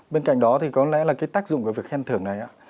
bên cạnh đó thì có lẽ là cái tác dụng của việc khen thưởng này ạ